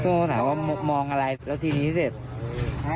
จำไม่ได้ครับพี่แต่ว่า